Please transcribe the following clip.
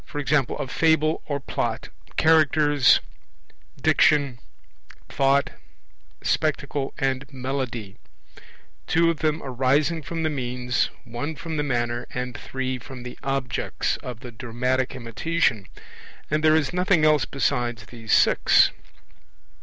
a Fable or Plot, Characters, Diction, Thought, Spectacle and Melody; two of them arising from the means, one from the manner, and three from the objects of the dramatic imitation; and there is nothing else besides these six.